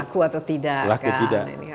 laku atau tidak